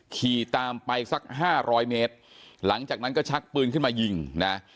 ขี่ตามไปสักห้าร้อยเมตรหลังจากนั้นก็ชักปืนขึ้นมายิงนะ